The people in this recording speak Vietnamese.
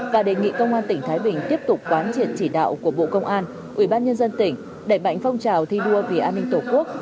và đề nghị công an tỉnh thái bình tiếp tục quán triệt chỉ đạo của bộ công an ubnd tỉnh đẩy mạnh phong trào thi đua vì an ninh tổ quốc